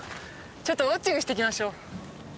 ちょっとウォッチングしていきましょう。